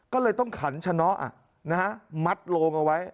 ก็เลยต้องขันชะเนาะมัดโลงเอาไว้